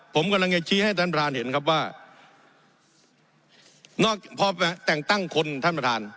ผมกำลังจะชี้ให้ท่านประธานเห็นครับว่านอกพอแต่งตั้งคนท่านประธาน